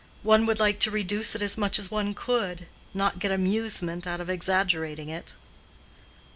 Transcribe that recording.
One would like to reduce it as much as one could, not get amusement out of exaggerating it."